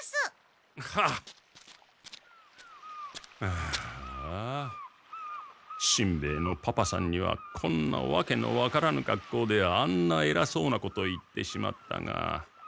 ああしんべヱのパパさんにはこんなわけのわからぬ格好であんなえらそうなこと言ってしまったが。